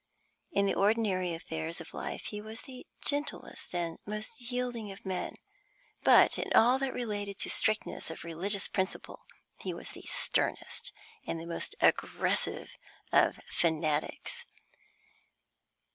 In the ordinary affairs of life he was the gentlest and most yielding of men, but in all that related to strictness of religious principle he was the sternest and the most aggressive of fanatics.